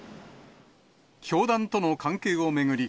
教団との関係を巡り、